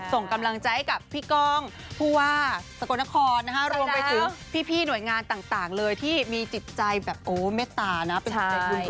ส่งกำลังใจให้กับพี่กองผู้ว่าสกลนครโรงไปถึงพี่หน่วยงานต่างเลยที่มีจิตใจแบบโอ้เมตตานะ